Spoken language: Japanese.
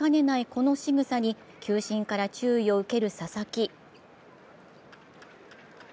このしぐさに球審から注意を受ける佐々木。